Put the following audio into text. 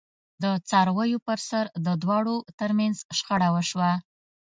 د څارویو پرسر د دواړو ترمنځ شخړه وشوه.